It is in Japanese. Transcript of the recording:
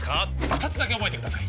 二つだけ覚えてください